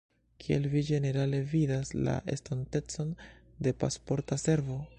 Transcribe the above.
Kiel vi ĝenerale vidas la estontecon de Pasporta Servo?